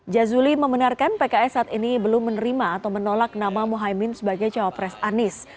jazuli membenarkan pks saat ini belum menerima atau menolak nama muhaymin sebagai cawapres anies